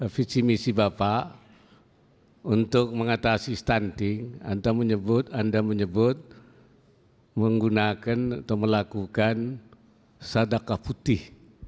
visi misi bapak untuk mengatasi stunting anda menyebut menggunakan atau melakukan sadaka putih